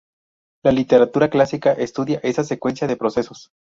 La literatura clásica estudia esa secuencia de procesos.